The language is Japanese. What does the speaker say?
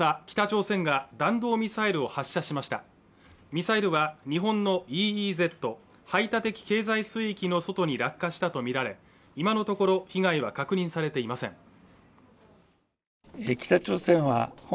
北朝鮮が弾道ミサイルを発射しましたミサイルは日本のＥＥＺ排他的経済水域の外に落下したと見られ今のところ被害は確認されていません